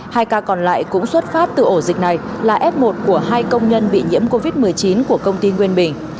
hai ca còn lại cũng xuất phát từ ổ dịch này là f một của hai công nhân bị nhiễm covid một mươi chín của công ty nguyên bình